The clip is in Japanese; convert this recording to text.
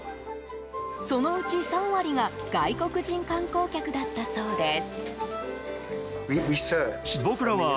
そのうち、３割が外国人観光客だったそうです。